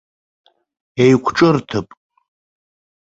Еиқәҿырҭып.